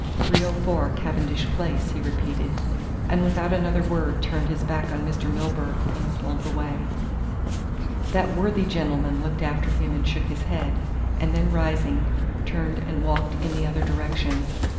"304, Cavendish Place," he repeated, and without another word turned his back on Mr. Milburgh and slunk away. That worthy gentleman looked after him and shook his head, and then rising, turned and walked in the other direction.